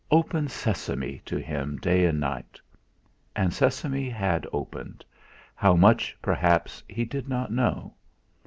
pen, sesame,' to him day and night. And sesame had opened how much, perhaps, he did not know.